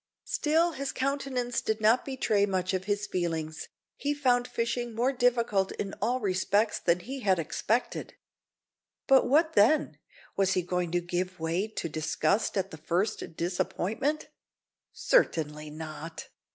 Still his countenance did not betray much of his feelings. He found fishing more difficult in all respects than he had expected; but what then? Was he going to give way to disgust at the first disappointment? Certainly not.